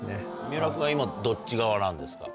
三浦君は今どっち側なんですか？